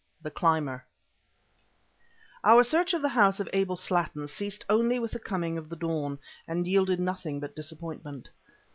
THE CLIMBER Our search of the house of Abel Slattin ceased only with the coming of the dawn, and yielded nothing but disappointment.